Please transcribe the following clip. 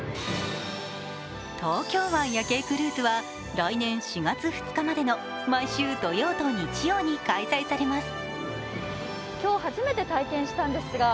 東京湾夜景クルーズは来年４月２日までの毎週土曜と日曜に開催されます。